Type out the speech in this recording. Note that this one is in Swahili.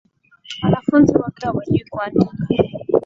Wanafunzi wake hawajui kuandika